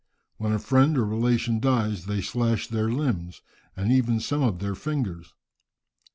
When a friend or relation dies, they slash their limbs, and even some of their fingers.